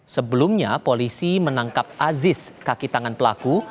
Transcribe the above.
sebelumnya polisi menangkap aziz kaki tangan pelaku